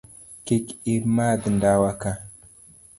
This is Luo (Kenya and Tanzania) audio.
Kik imadh ndawa ka